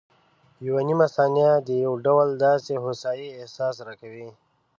یوه نیمه ثانیه د یو ډول داسې هوسایي احساس راکوي.